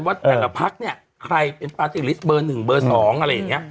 ว่าแต่ละภักดิ์เนี่ยใครเป็นปาร์ติฤทธิ์ฤทธิ์เบอร์หนึ่งเบอร์สองอะไรอย่างเงี้ย